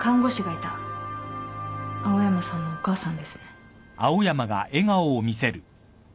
青山さんのお母さんですね。